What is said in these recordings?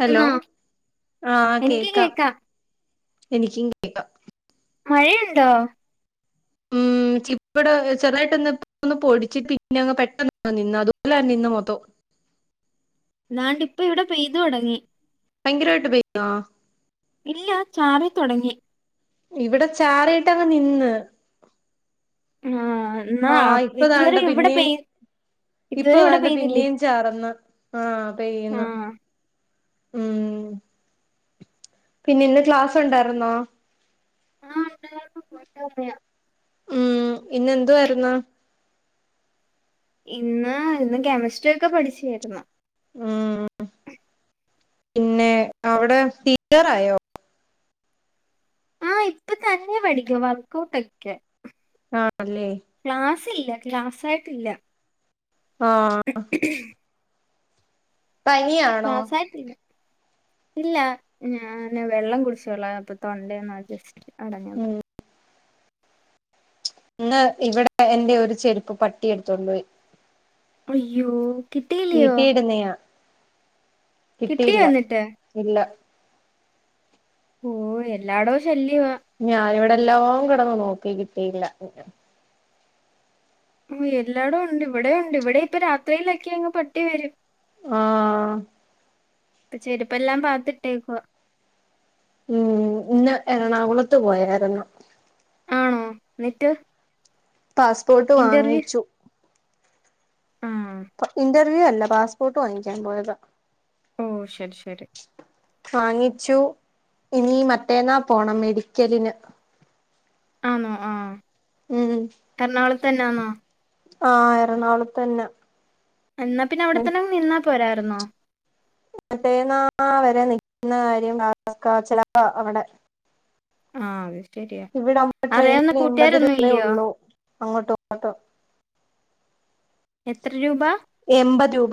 Hello ആഹ് കേക്കാം എനിക്കും കേക്കാം മഴയുണ്ടോ ഉം ചിപ്പടെ ചെറുതായിട്ടൊന്ന് ഒന്ന് പൊടിച്ചിട്ട് പിന്ന അങ്ങ് പെട്ടെന്ന് നിന്ന അതു പോലെ നിന്ന് മൊത്തം ന്നാണ്ട് ഇപ്പ ഇവിടെ പെയ്തു തുടങ്ങി ഭയങ്കരായിട്ട് പെയ്‌തോ ഇല്ല ചാറി തുടങ്ങി ഇവിടെ ചാറിയിട്ടങ്ങ് നിന്ന് ആഹ് എന്നാ ആഹ് ഇപ്പൊതാണ്ട ഇതുവരെ ഇവിടെ പിന്നിം പെയ് ഇപ്പൊ ഇതുവരെ ഇവിടെ അതാണ്ട് പെയ്തില്ലേ പിന്നേം ചാർന്ന് ആ പെയ്യ്ന്ന് ആഹ് ഉം പിന്നെ ഇന്ന് ക്ലാസ് ഉണ്ടാർന്നോ ആഹ് ഉണ്ടാർന്നു [unintelligible] ഉം ഇന്ന എന്തു വാര്ന്നു ഇന്ന് ഇന്ന് കെമിസ്ട്രിയ ഒക്കെ പഠിച്ചായിരുന്നു ഉം പിന്നെ അവിടെ ടീച്ചറായോ ആ ഇപ്പ തന്നെ പഠിക്ക വർക്ക് ഔട്ടൊക്കെ ആഹ് അല്ലേ ക്ലാസ് ഇല്ല ക്ലാസായിട്ടില്ല ആഹ് പനിയാണോ ക്ലാസായിട്ടില്ല ഇല്ല ഞാൻ വെള്ളം കുടിച്ചോളാം അപ്പൊ തൊണ്ടേന്നാ ജസ്റ്റ് ഉം അടഞ്ഞതാ ഇന്ന് ഇവടെ എന്റെ ഒരു ചെരുപ്പ് പട്ടി എടുത്തോണ്ട് പോയി അയ്യോ കിട്ടിയില്ലയോ വീട്ടിയിടുന്നയാ കിട്ടിയോ കിട്ടിയില്ല എന്നിട്ട് ഇല്ല ഓഹ് എല്ലായിടവും ശല്യവാ ഞാനിവിടെ എല്ലാം കിടന്ന് നോക്കി കിട്ടിയില്ല ഓഹ് എല്ലാടവും ഉണ്ട് ഇവിടെ ഉണ്ട് ഇവിടെ ഇപ്പൊ രാത്രിയിലൊക്കെ അങ്ങ് പട്ടി വരും ആഹ് ഇപ്പൊ ചെരുപ്പെല്ലാം അകത്തിട്ടിരിക്കുവാ ഉം ഇന്ന് എറണാകുളത്ത് പോയായിരുന്നു ആണോ എന്നിട്ട് പാസ്പോർട്ട് ഇന്റർവ്യൂ വാങ്ങിച്ചു ആ ഇന്റർവ്യൂ അല്ല പാസ്പോർട്ട് വാങ്ങിക്കാൻ പോയത ഓഹ് ശരി ശരി വാങ്ങിച്ചു ഇനി മറ്റേന്നാ പോണം മെഡിക്കലിന് ആന്നോ ആഹ് ഉം എറണാകുളത്ത് തന്നാന്നോ ആഹ് എറണകുളത്തന്നെ എന്നാ പിന്നെ അവിടെത്തന്നങ്ങ് നിന്നാ പോരായിരുന്നോ? മറ്റേന്നാ വരെ നിക്കുന്ന കാര്യം ചിലപ്പോ അവിടെ ആഹ് അതെ ഇവിടാകുമ്പോ ട്രെയിനിൽ എൺപത് രൂപയെ ഇല്ലയോ ഉള്ളൂ അങ്ങോട്ടും ഇങ്ങോട്ടും എത്ര രൂപ എൺപത് രൂപ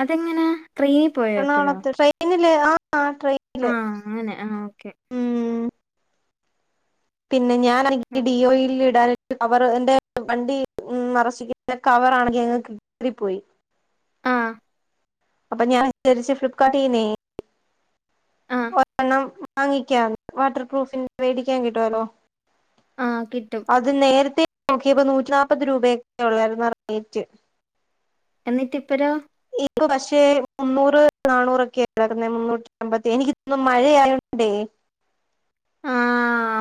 അതെങ്ങനാ ക്രീം എറണാകുളത്ത് ട്രെയിനിൽ ആഹ് ട്രെയിൻ ആഹ് അങ്ങനെ ആ ഓക്കെ ഉം പിന്നെ ഞാൻ ഡിയോൽ ഇടാൻ കവർ എന്റെ വണ്ടി നിറച്ചിക്ക കവറ ആണെങ്കിൽ അങ്ങ് കീറിപ്പോയി ആഹ് അപ്പൊ ഞാൻ വിചരിച്ച് ഫ്ലിപ്കാർട്ടീന്നെ ആ ഒരെണ്ണം വാങ്ങിക്കാ വാട്ടർ പ്രൂഫിന്റെ മേടിക്കാൻ കിട്ടോല്ലോ ആഹ് കിട്ടും അത് നേരത്തെ നോക്കിയപ്പോ നൂറ്റി നാല്പ്പത് രൂപയൊക്കെ ഉള്ളായിരുന്നു റേറ്റ് എന്നിട്ട് ഇപ്പരോ ഇപ്പ പക്ഷേ മുന്നൂറ് നാണൂറൊക്കെ കാണുന്നത് മുന്നൂറ്റി അമ്പത്തി എനിക്ക് തോന്നുന്നു മഴയായോണ്ടെ ആ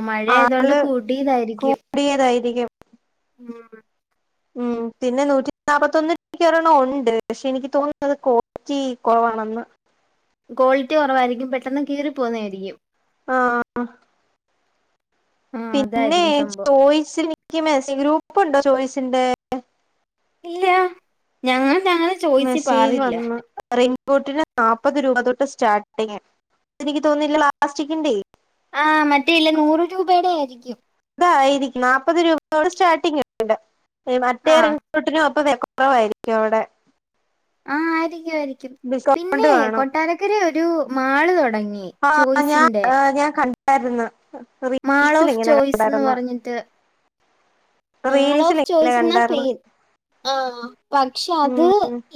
മഴ ആയതുകൊണ്ട് ആള് കൂട്ടിയതായിരിക്കും കൂടിയതായിരിക്കും ഉം ഉം പിന്നെ നൂറ്റി നാല്പത്തൊന്ന് രൂപക്ക് ഒരെണ്ണം ഉണ്ട് പക്ഷെ എനിക്ക് തോന്നുന്നു അത് ക്വാളിറ്റി കുറവാണെന്ന് ക്വാളിറ്റി കുറവായിരിക്കും പെട്ടെന്ന് കീറി പോവുന്നെ ആയിരിക്കും ആഹ് ആഹ് പിന്നെ അതായിരിക്കും സംഭവം ചോയ്സി എനിക്ക് മസ് ഗ്രൂപ്പുണ്ടോ ചോയ്സിന്റെ ഇല്ല ഞങ്ങൾ ഞങ്ങളെ ചോയ്സി മെസ്സേജ് പാറില്ല വന്ന് റെയിൻകോട്ടിന് നാല്പ്പത് രൂപ തൊട്ട് സ്റ്റാർട്ടിങ്ങ് അതെനിക്ക് തോന്നുന്നെ പ്ലാസ്റ്റിക്കിന്റെ ആഹ് മറ്റേല്ല നൂറ് രൂപയുടെ ആയിരിക്കും അതായിരിക്കും നാല്പ്പത് രൂപയോട് സ്റ്റാർട്ടിങ്ണ്ട് മറ്റേറ ആഹ് ട്ടിനും ഒപ്പ വ കുറവായിരിക്കും അവിടെ ആഹ് ആയിരിക്കും ആയിരിക്കും ഡിസ്കൗണ്ട് പിന്നെ കാണും കൊട്ടാരക്കര ഒരു മാള് തുടങ്ങി ആഹ് ഞാൻ ചോയ്സിന്റെ ഞാൻ കണ്ടായിരുന്നു മാൾ റീൽസിൽ ഓഫ് ഇങ്ങനെ ചോയ്സ് എന്ന് കണ്ടായിരുന്നു പറഞ്ഞിട്ട് മാൾ റീൽസിൽ ഓഫ് ഇങ്ങനെ ചോയ്സുന്ന കണ്ടായിരുന്നു പെൻ ആ പക്ഷെ അത് ഉം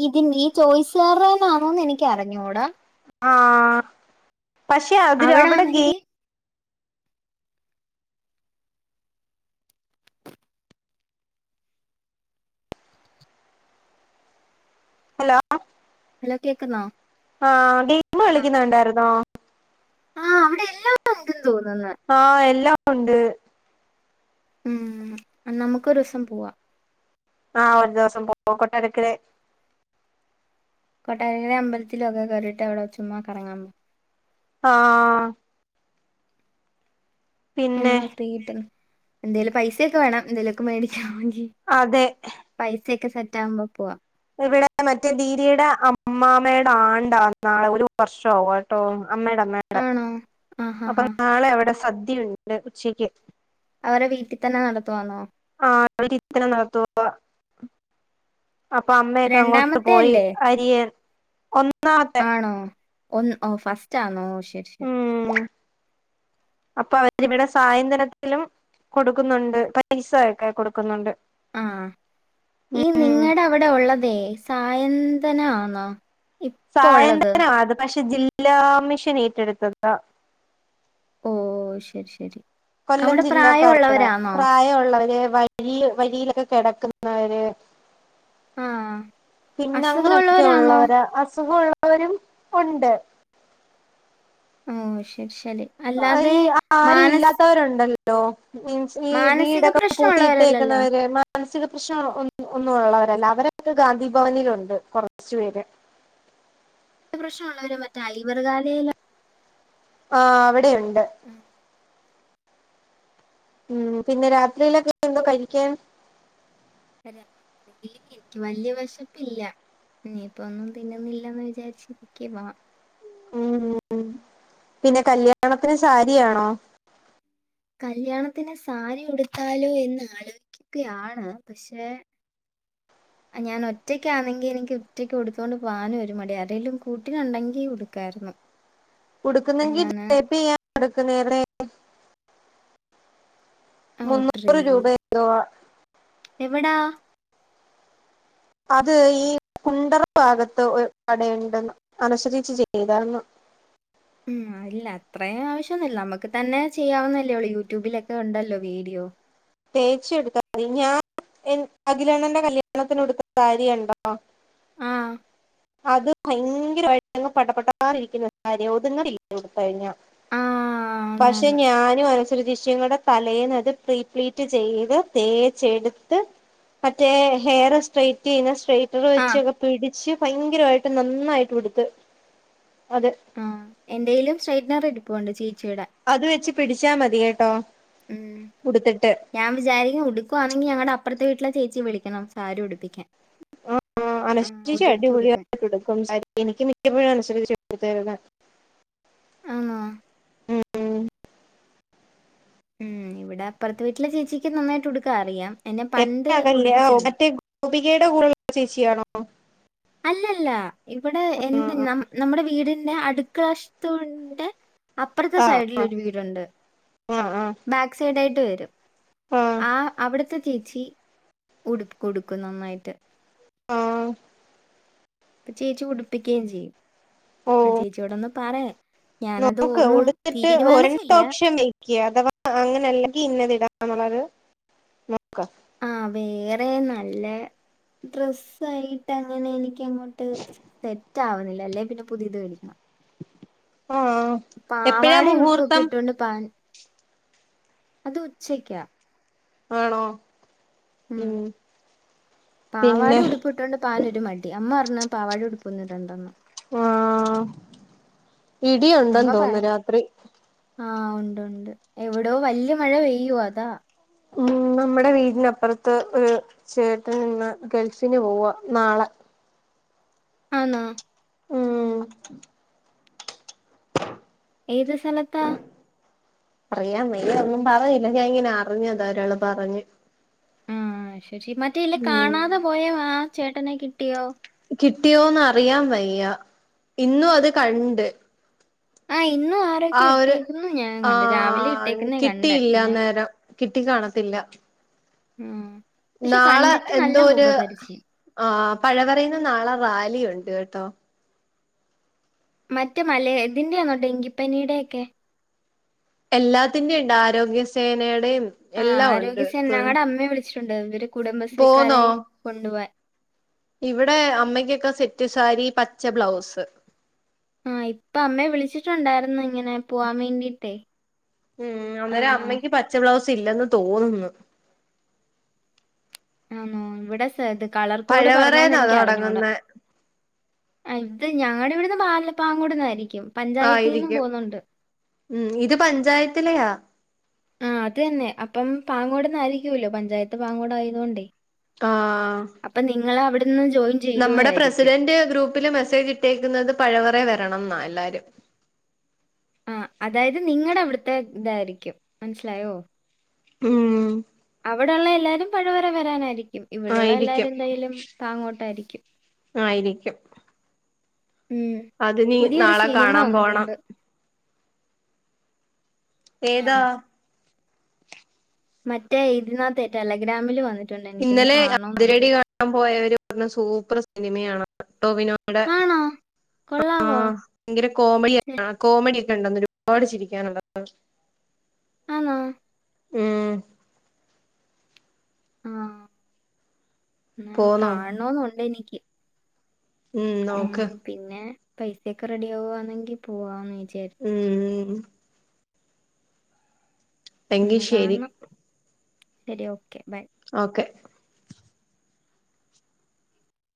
ഇത് നീ ചോയിസുകാരുടെ ആണോന്ന് എനക്ക് അറിഞ്ഞൂടാ ആഹ് പക്ഷെ അതിന് അവിടെ ഗെ ഹലോ ഹലോ കേക്കുന്നോ ആഹ് ഗെയിമ് കളിക്കുന്ന കണ്ടായിരുന്നോ ആഹ് അവിടെ എല്ലാ ഉണ്ടെന്ന് തോന്നുന്ന ആഹ് എല്ലാം ഉണ്ട് ഉം നമുക്കൊരൂസം പോവാ ആഹ് ഒരു ദിവസം പോക കൊട്ടാരക്കര കൊട്ടാരകര അമ്പലത്തിലൊക്കെ കേറീട്ട് അവിടെ ചുമ്മാ കറങ്ങാൻ പോക ആഹ് പിന്നെ എന്നാ ഫ്രീട്ടന്ന് എന്തേലും പൈസൊക്കെ വേണം എന്തേലുമൊക്കെ മേടിക്കണങ്കി അതെ പൈസൊക്കെ സെറ്റ് ആകുമ്പോ പോവാ ഇവിടെ മറ്റേ ദീരിയുടെ അമ്മാമയുടെ ആണ്ടാ നാളെ ഒരു വർഷാവും ട്ടോ അമ്മയുടെ അമ്മ ആണോ ആഹ് ഹാ അപ്പം ഹാ നാളെ അവിടെ സദ്യണ്ട് ഉച്ചയ്ക്ക് അവരെ വീട്ടിതന്നെ നടത്തുവാണോ ആഹ് അവര് ഇത്തര നടത്തുവാ അപ്പൊ അമ്മയൊക്കെ അങ്ങോട്ട് രണ്ടാമത്തെ പോയി അല്ലേ അരിയൻ ഒന്നാമത്തെ ആണോ ഒന്ന് ഓ ഫസ്റ്റ് ആണോ ശരി ശരി ഉം അപ്പൊ അവരിവിടെ സായന്തനത്തിലും കൊടുക്കുന്നുണ്ട് പൈസയൊക്കെ കൊടുക്കുന്നുണ്ട് ആഹ് ഈ ഉം നിങ്ങളവടെ അവിടെ ഉള്ളതെ സായന്തന ആണോ സായന്തനമാ അത് പക്ഷെ ജില്ലാ കമ്മിഷൻ ഏറ്റെടുത്തതാ ഓ ശരി ശരി കൊല്ലം അവിടെ ജില്ലക്കാരുടെ പ്രായമുള്ളവരാന്നോ പ്രായമുള്ളവര് വഴി വഴിയിലൊക്കെ കെടക്കുന്നവര് ആഹ് പിന്നെ അങ്ങനൊക്കെ അസുഖമുള്ളവരാന്നോ ഉള്ളവര് അസുഖ ഉള്ളവരും ഉണ്ട്. ഓ ശരി ശരി അല്ലാതെ ഈ ആരും മാനസ് ഇല്ലാത്തവരുണ്ടല്ലോ മീൻസ് ഈ മാനസിക വീടൊക്കെ പ്രശ്നമുള്ളവരല്ലല്ലോ പൂട്ടിയിട്ടേക്കുന്നവര് മ മാനസിക പ്രശ്നം ഒന്നു ഉള്ളവരല്ല അവരൊക്കെ ഗാന്ധിഭവനിലുണ്ട് കൊറച്ചു പേര് നസിക പ്രശ്നമുള്ളവരെ മറ്റ ഐവർ കാലെല്ല ആഹ് അവിടെ ഉണ്ട് ഉം ഉം പിന്നെ രാത്രിയിലൊക്കെ എന്തോ കഴിക്കാൻ അത്രെങ്കില് എനിക്ക് വല്യ വെശപ്പില്ല ഇ ഞ്ഞിപ്പ ഒന്നും തിന്നുന്നില്ലന്ന് വിചാരിച്ചിരിക്കേവാ ഉം പിന്നെ കല്യാണത്തിന് സാരിയാണോ കല്യാണത്തിന് സാരി ഉടുത്താലോ എന്ന് ആലോചിക്കുകയാണ് പക്ഷെ ആ ഞാൻ ഒറ്റയ്ക്ക് ആന്നെങ്കി എനിക്ക് ഒറ്റയ്ക്ക് ഉടുത്തോണ്ട് പോവാനും ഒരു മടി ആരേലും കൂട്ടിനൊണ്ടെങ്കി ഉടുക്കായിരുന്നു. ഉടുക്കുന്നെങ്കി ഞാൻ ഡ്രെയ്പ്പെയ്യാൻ കൊടുക്കുന്നേവിടെ ഓർഡർ മുന്നൂറ് ചെയ്യും രൂപയെന്തോവ എവിടാ അത് ഈ കുണ്ടറ ഭാഗത്ത് ഒരു കടയുണ്ട് അനശ്വരേച്ചി ചെയ്താര്ന്നു. ഉം അല്ല അത്രേം ആവിശ്യോന്നുല്ല നമുക്ക് തന്നെ ചെയ്യാവുന്നല്ലേള്ളൂ യൂട്യൂബിലൊക്കെ ഉണ്ടല്ലോ വീഡിയോ. തേച്ച് എടുത്താമതി ഞാൻ അഖിലണന്റെ കല്യാണത്തിന് ഉടുത്ത സാരിയണ്ടോ? ആഹ് അത് ഭയങ്കരമായിട്ട് പഠപടാന്നിരിക്കുന്ന സാരിയാ ഒത്ങ്ങിണില്ല ഉടുത്തു കഴിഞ്ഞ ആ ആന്ന് പക്ഷെ ആന്ന് ഞാനും അനശ്വര ചേചിയും കൂടെ തലേന്ന് അത് പ്രീപ്ലീറ്റ് ചെയ്ത് തേച്ചെടുത്ത് മറ്റേ ഹെയർ സ്ട്രൈറ്റ് ചെയ്യുന്ന സ്ട്രെറ്റ് മട്ടർ ആഹ് വെച്ചൊക്കെ പിടിച്ച് ഭയങ്കരമായിട്ട് നന്നായിട്ട് ഉടുത്ത് അത് ആഹ് എന്റയിലും സ്ട്രൈറ്റ്നർ ഇരിപ്പുണ്ട് ചേച്ചീടെ അത് വെച്ച് പിടിച്ചാ മതി കേട്ടോ? ഉം ഉടുത്തിട്ട് ഞാൻ വിചാരിക്കുന്നു ഉടുക്കുവാന്നെങ്കി ഞങ്ങടെ അപ്പർത്തെ വീട്ടിലെ ചേച്ചിം വിളിക്കണം സാരി ഉടുപ്പിക്കാൻ ആ ആഹ് അനശ്യരേ ചേചി ഉതിക്കി ഉടുക്കാൻ അടിപൊളിയായിട്ടെട്ക്കും സാരി എനിക്ക് മിക്കപ്പോഴും അനശ്യരേച്ചി ഉടുത്ത് തരുന്നേ ആണോ ഉം ഉം ഇവിടെ അപ്പർത്തെ വീട്ടിലെ ചേച്ചിക്ക് നന്നായിട്ട് ഉടുക്കാ അറിയാം എന്നെ പണ്ട് ഉടുപ്പിച്ചിട്ടുണ്ട്. ഗോപികേടെ കൂടെള്ള ചേച്ചിയാണോ? അല്ലല്ല ഇവിടെ എന്റെ ആ നമ്മുടെ വീടിന്റെ അടുക്കളവശത്തുന്റെ അപ്പർത്തെ ആ ആ സൈഡിലൊരു വീടുണ്ട് ആ ബാക്ക് സൈടായിട്ട് വരും ആ അവിടുത്തെ ചേച്ചി ഉടു ഉടുക്കും നന്നായിട്ട് ആഹ് ഇപ്പൊ ചേച്ചി ഉടുപ്പിക്കേം ചെയ്യും ഓ ആ ചേച്ചിയോടൊന്ന് പറയ നോക്ക് ഉടുത്തിട്ട് ഒരണ്ടപ്ഷ നീ ഇനി അഥവാ അങ്ങനെ അല്ലെങ്കി ഇന്നത് ഇടാ എന്നുള്ളത് നോക്കാം ആ വേറെ നല്ല ഡ്രസ്സ ആയിട്ട് അങ്ങനെ എനി ക്ക അങ്ങോട്ട് സെറ്റ് ആവുന്നില്ല അല്ലേ പിന്നെ പുതിയത് വേടിക്കണം ആഹ് പാവാടെ ഉടുപ്പൊക്കെ ഇട്ടൊണ്ട് പൻ അത് ഉച്ചയ്ക്കാ ആണോ ഉം പാവാടെ പിന്നെ ഉടുപ്പിട്ടോണ്ട് പാൻ ഒരു മടി അമ്മ അർഞു പാവാടിം ഉടുപ്പൊന്നിടണ്ടന്ന് ആഹ് ഇടിയുണ്ടെന്ന് തോന്നുന്നു രാത്രി ആഹ് ഉണ്ട് ഉണ്ട് എവിടോ വല്ല്യ മഴ പെയ്യുവാ അതാ ഉം നമ്മടെ വീടിനപ്പറത്ത് ഒരു ചേട്ടനിന്ന് ഗൾഫിന് പോവാ നാളെ ആന്നോ ഉം ഏത് സ‌ലത്താ പറയാ വെയ്യ ഒന്നും പറഞ്ഞില്ല ഞാൻ ഇങ്ങനെ അറിഞ്ഞതാ ഒരാള് പറഞ്ഞു ആഹ് ശരി മറ്റേ ഇല്ലേ ഉം കാണാതെ പോയോ ആ ചേട്ടനെ കിട്ടിയോ? കിട്ടിയോന്നറിയൻ വയ്യ ഇന്നു അത് കണ്ട് ആഹ് ഇന്നു ആ ടൊക്കെ ഇട്ടേക്കുന്നെ ഞാൻ കണ്ട് രാവിലെ ആഹ് ഇട്ടേക്കുന്നെ കണ്ടെ കിട്ടിയില്ല പിന്നെ അന്നേരം കിട്ടി കാണത്തില്ല ഉം പക്ഷെ നാളെ കണ്ടിട്ട് നല്ല എന്തോര് മുഖപരിചയം ആ പഴവരേന്ന് നാളെ റാലിയുണ്ട് കേട്ടോ മറ്റേ മലേ ഇതിന്റെണോ ഡെങ്കിപ്പനിടെ ക്കെ എല്ലാത്തിൻ്റിണ്ട് ആരോഗ്യ സേനടെം ആഹ് ആരോഗ്യ സേന ഞങ്ങടെ അമ്മിം വിളിച്ച്ട്ട്ണ്ട് ഇവര് കുടുംബശ്രീക്കാരെയ് കൊണ്ടോവാൻ. ഇവടെ അമ്മയ്ക്കൊക്കെ സെറ്റ് സാരി പച്ച ബ്ലൗസ്. ആഹ് ഇപ്പം അമ്മയെം വിളിച്ച്ട്ട്ണ്ടായിര്ന്നു ഇങ്ങനെ പോവാൻ വേണ്ടിട്ടേ. ഉം അന്നേരം അമ്മയ്ക്ക് പച്ച ബ്ലൗസില്ലന്ന് തോന്ന്ന്ന്. ആന്നോ ഇവടെ സത് കളർ കോഡ് പറണോന്ന് പഴവറേന്നാ ഇൻക്കറിഞ്ഞൂടാ. തൊടങ്ങുന്നെ ആഹ് ഇത് ഞങ്ങടെ ഇവട്ന്ന് പാല് പാങ്ങോട്ന്നായിരിക്കും. ആയിരിക്കും ഉം ഇത് പഞ്ചായത്തിലെയാ ആഹ് അതെന്നെ അപ്പം പാങ്ങോട്ന്നായിരിക്കൊല്ലോ പഞ്ചായത്ത് പാങ്ങോടായതൊണ്ടേ. ആഹ് അപ്പൊ നിങ്ങളെ അവട്ന്ന് ജോയിൻ നമ്മടെ ചെയ്യുമായിരിക്കും പ്രസിഡന്റ് ഗ്രൂപ്പില് മെസ്സേജ് ഇട്ടേക്കുന്നത് പഴവറെ വരണന്നാ എല്ലാരും. ആഹ് അതായത് നിങ്ങടെ അവ്ട്ത്തെ ഇതായിരിക്കും മൻസ്സിലായോ ഉം അവടെള്ള എല്ലാരും പഴവര വരാനായിരിക്കും ഇവടൊള്ള എല്ലാരും ആയിരിക്കും എന്തായാലും പാങ്ങോട്ടായിരിക്കും. ആയിരിക്കും. ഉം അത് നീ പുതിയൊരു നാളെ സിനിമ കാണാം പോണം. വന്നിട്ടുണ്ട് ആ ഏതാ മറ്റേ ഇതിനാത്തെ ടെലഗ്രാമില് വന്നിട്ട്ണ്ട് എനിക്കൊന്ന് കാണണൊന്നുണ്ട്. [unintelligible] പോയോരർഞ്ഞ് സൂപ്പർ സിനിമയാണ് ടോവിനോടെ കൊള്ളവോ? ഭയങ്കര കോമഡിയ കോമഡ്യൊക്കെണ്ടെന്ന് ഒരുപാട് ചിരിക്കാനുള്ള [unintelligible] ആന്നോ? ഉം ആഹ് [unintelligible] പോന്നോ കാണണോന്നുണ്ടെനിക്ക്. ഉം നോക്ക് പിന്നെ പൈസൊക്കെ റെഡ്യാവാന്നെങ്കി പോവാന്ന് വിചാരി ഉം എങ്കി ഇന്ന് ശരി കാണണം ശെരി ഓക്കെ ബൈ ഓക്കെ